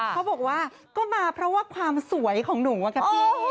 เขาบอกว่าก็มาเพราะว่าความสวยของหนุ่มวากาฟี่